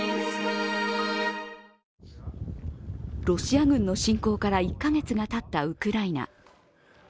ロシア軍の侵攻から１カ月がたったウクライナ。